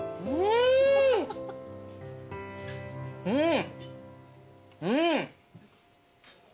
うん！